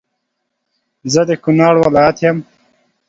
زه د کونړ ولایت یم